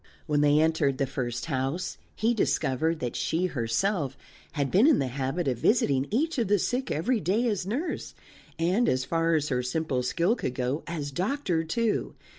When they entered the first house, he discovered that she herself had been in the habit of visiting each of the sick every day as nurse, and, as far as her simple skill could go, as doctor too.